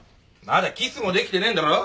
まだキスもできてねえんだろ。